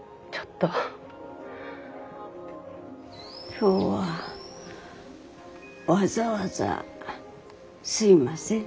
今日はわざわざすみませんね。